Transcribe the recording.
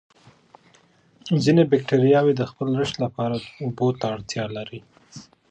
ځینې باکتریاوې د خپل رشد لپاره اوبو ته اړتیا لري.